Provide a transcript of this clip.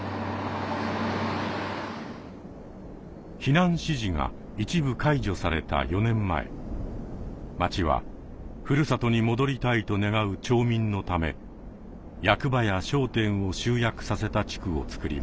避難指示が一部解除された４年前町は故郷に戻りたいと願う町民のため役場や商店を集約させた地区をつくりました。